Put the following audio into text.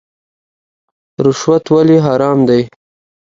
رشوت ولې حرام دی؟